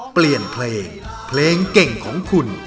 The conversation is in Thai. เปลี่ยนเพลงเพลงเก่งของคุณ